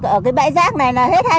ở cái bãi rác này là hết hai mươi năm